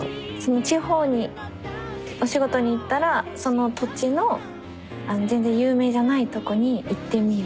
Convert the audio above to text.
地方にお仕事に行ったらその土地の全然有名じゃないとこに行ってみる。